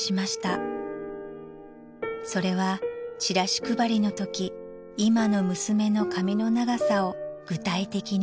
［それはチラシ配りのとき今の娘の髪の長さを具体的に伝えるため］